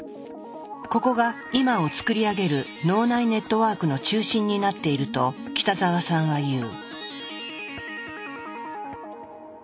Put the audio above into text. ここが「今」をつくりあげる脳内ネットワークの中心になっていると北澤さんは言う。